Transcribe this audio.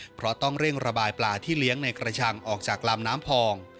เพราะต้องเร่งระบายปลาที่เลี้ยงในกระชังออกจากลำน้ำพอง